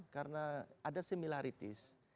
karena ada similarities